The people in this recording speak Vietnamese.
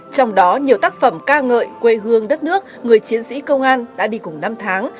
trong đó nhiều tác phẩm ca ngợi quê hương đất nước người chiến sĩ công an đã đi cùng năm tháng